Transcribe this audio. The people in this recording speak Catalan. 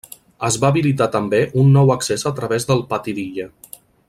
Es va habilitar també un nou accés a través del pati d'illa.